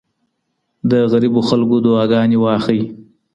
د غریبو خلګو دعاګانې واخلئ.